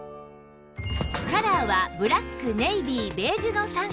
カラーはブラックネイビーベージュの３色